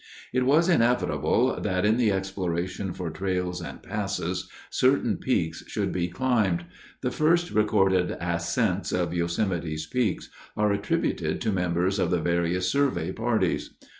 It was inevitable that in the exploration for trails and passes, certain peaks should be climbed. The first recorded ascents of Yosemite's peaks are attributed to members of the various survey parties.